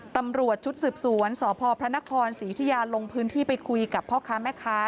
ตำรวจชุดสืบสวนสพพระนครศรียุธิยาลงพื้นที่ไปคุยกับพ่อค้าแม่ค้า